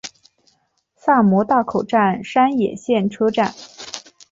萨摩大口站山野线车站。